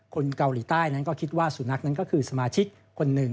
คนเกาหลีใต้นั้นก็คิดว่าสุนัขนั้นก็คือสมาชิกคนหนึ่ง